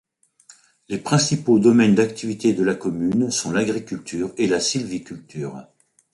Les principaux domaines d'activité de la commune sont l'agriculture et la sylviculture.